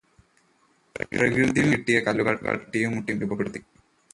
പ്രകൃതിയിൽനിന്നു് കിട്ടിയ കല്ലുകളെ തട്ടിയും മുട്ടിയും രൂപപ്പെടുത്തി.